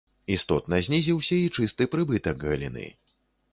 Істотна знізіўся і чысты прыбытак галіны.